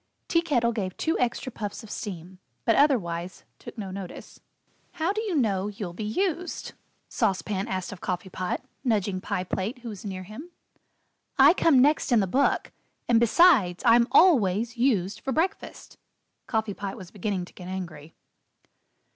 Tea Kettle gave two extra puffs of steam, but otherwise took no notice. "How do you know you'll be used?" Sauce Pan asked of Coffee Pot, nudging Pie Plate who was near him. "I come next in the book and, besides, I'm always used for breakfast." Coffee Pot was beginning to get angry.